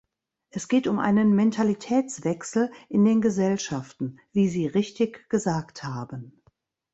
Es geht um einen Mentalitätswechsel in den Gesellschaften, wie Sie richtig gesagt haben.